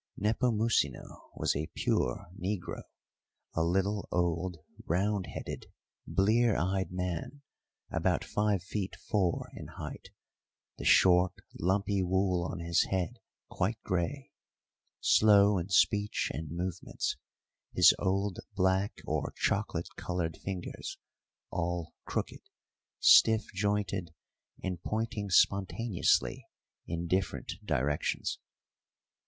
Nepomucino was a pure negro, a little old round headed, blear eyed man, about five feet four in height, the short lumpy wool on his head quite grey; slow in speech and movements, his old black or chocolate coloured fingers all crooked, stiff jointed, and pointing spontaneously in different directions.